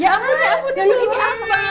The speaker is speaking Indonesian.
ya ampun ya ampun ini apa